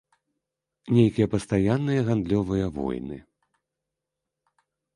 Нейкія пастаянныя гандлёвыя войны.